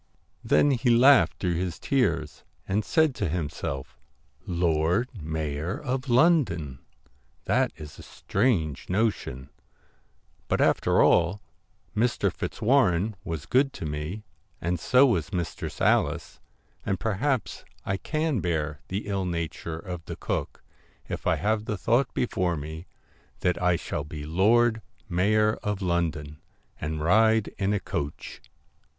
Then he laughed through his tears, and said to himself, * Lord Mayor of London ! That is a strange notion; but after all, Mr. Fitzwarren was good to me, and so was Mistress Alice, and perhaps I can bear the ill nature of the cook, if I have the thought before me that I shall be Lord Mayor of London and ride in a coach.'